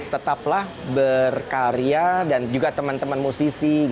tetaplah berkarya dan juga teman teman musisi